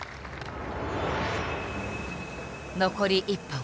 残り１本。